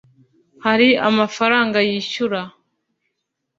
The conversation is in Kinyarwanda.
hari amafaranga yishyura